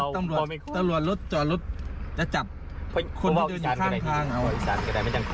แต่ตรวจรถจะจับคนที่เดินข้าง